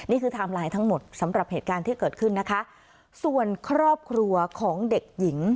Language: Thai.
ไทม์ไลน์ทั้งหมดสำหรับเหตุการณ์ที่เกิดขึ้นนะคะส่วนครอบครัวของเด็กหญิง